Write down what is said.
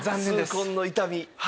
痛恨の痛み。